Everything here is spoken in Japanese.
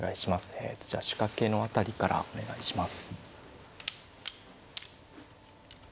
えとじゃあ仕掛けの辺りからお願いします。